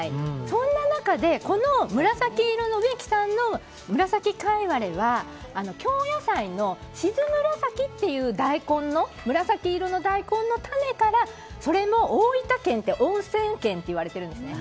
そんな中で、紫色の植木さんの紫かいわれは京野菜のしずむらさきっていう紫色の大根の種からそれも大分県って温泉県っていわれてるんですね。